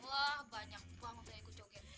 wah banyak uang mau ikut joget